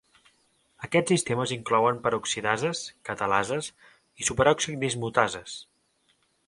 Aquests sistemes inclouen peroxidases, catalases i superòxid dismutases.